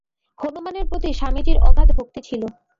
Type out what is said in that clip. হনুমানের প্রতি স্বামীজীর অগাধ ভক্তি ছিল।